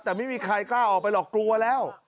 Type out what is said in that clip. แต่ไม่มีใครกล้าออกไปหรอกกลัวแล้ว